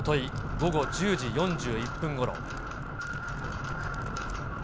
午後１０時４１分ごろ。